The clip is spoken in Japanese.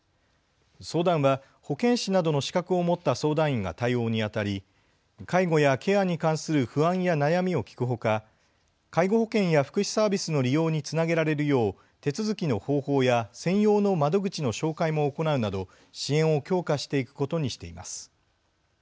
相談は保健師などの資格を持った相談員が対応にあたり介護やケアに関する不安や悩みを聞くほか介護保険や福祉サービスの利用につなげられるよう手続きの方法や専用の窓口の紹介も行うなど支援を強化していくことにしています。